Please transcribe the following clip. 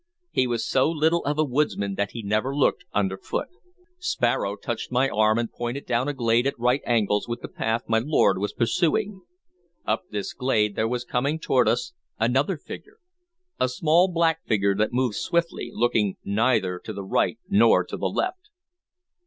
He was so little of a woodsman that he never looked underfoot. Sparrow touched my arm and pointed down a glade at right angles with the path my lord was pursuing. Up this glade there was coming toward us another figure, a small black figure that moved swiftly, looking neither to the right nor to the left.